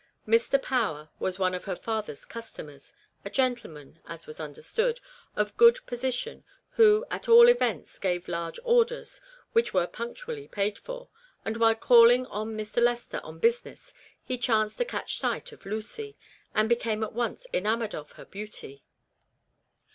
Mr. Power was one of her father's customers, a gentleman, as was understood, of good position, who at all events gave large orders which were punctually paid for, and while calling on Mr. Lester on business he chanced to catch sight of Lucy, and became at once enamoured of her beauty.